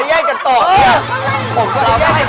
อะไรอย่างเนี่ย